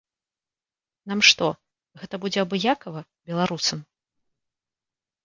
Нам што, гэта будзе абыякава, беларусам?